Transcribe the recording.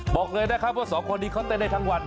บอกเลยนะครับว่าสองคนนี้เขาเต้นได้ทั้งวัน